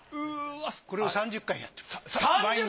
これを３０回やってます毎日。